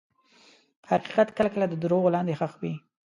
حقیقت کله کله د دروغو لاندې ښخ وي.